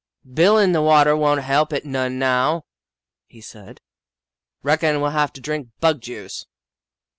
" Bilin' the water won't help it none now," he said, " Reckon we '11 have to drink bug juice."